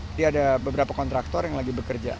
jadi ada beberapa kontraktor yang lagi bekerja